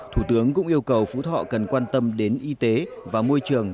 thủ tướng cũng yêu cầu phú thọ cần quan tâm đến y tế và môi trường